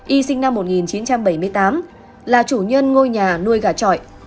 y sinh năm một nghìn chín trăm bảy mươi tám là chủ nhân ngôi nhà nuôi gà trọi